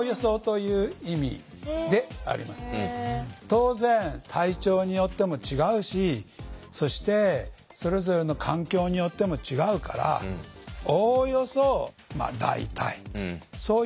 当然体調によっても違うしそしてそれぞれの環境によっても違うから「おおよそ」「だいたい」そういう見方が大事だろうと。